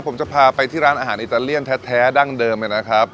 ผมจะพาไปที่ร้านอาหารอิตาเลียนแท้ดั้งเดิมเลยนะครับ